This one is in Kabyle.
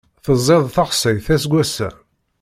Teẓẓiḍ taxsayt aseggas-a?